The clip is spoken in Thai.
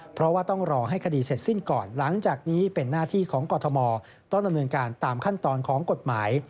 เพราะว่าต้องรอให้คดีเสร็จสิ้นก่อนหลังจากนี้เป็นหน้าที่ของกรทมต้องดำเนินการตามขั้นตอนของกฎหมาย